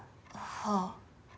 はあ。